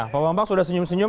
pak bambang sudah senyum senyum